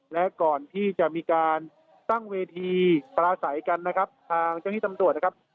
และก่อนที่จะมีการตั้งเวทีปลาใสกันนะครับทางเจ้าที่ตำรวจนะครับ